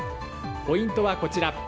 ポイントはこちら。